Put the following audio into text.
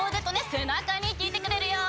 せなかにきいてくれるよ。